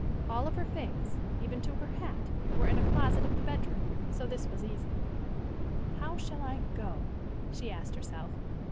All of her things, even to her hat, were in a closet of the bedroom, so this was easy. "How shall I go?" she asked herself.